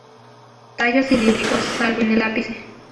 Tallos cilíndricos, salvo en el ápice.